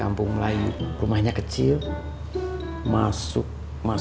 ini udah ambil masukan